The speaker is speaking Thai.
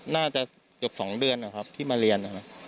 น่าจะเกือบ๒เดือนครับที่มาเรียน